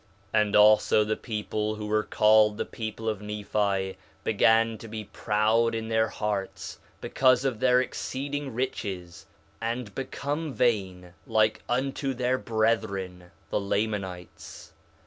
4 Nephi 1:43 And also the people who were called the people of Nephi began to be proud in their hearts, because of their exceeding riches, and become vain like unto their brethren, the Lamanites.